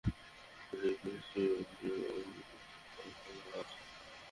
খুঁজে পেয়েছি বাসু কোথায় লুকিয়ে আছে।